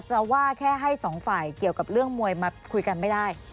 จะว่าแค่ให้สองฝ่ายเกี่ยวกับเรื่องมวยมาคุยกันไม่ได้